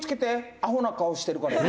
アホな顔してるから、今」